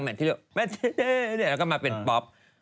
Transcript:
ที่แล้วก็มาเป็นป๊อป